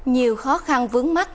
nhiều khó khăn vướng mắt